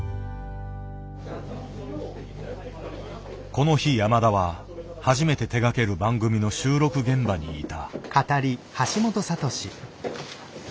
この日山田は初めて手がける番組の収録現場にいた。